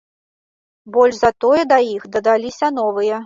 Больш за тое, да іх дадаліся новыя.